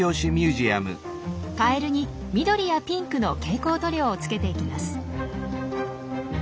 カエルに緑やピンクの蛍光塗料をつけていきます。